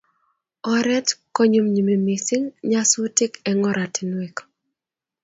Oret konyumnyumi missing nyasutiik eng oratinweek.